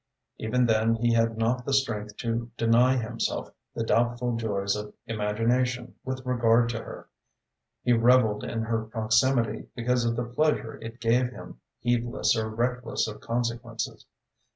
Even then he had not the strength to deny himself the doubtful joys of imagination with regard to her. He revelled in her proximity because of the pleasure it gave him, heedless or reckless of consequences.